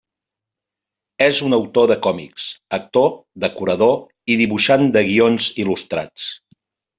És un autor de còmics, actor, decorador i dibuixant de guions il·lustrats.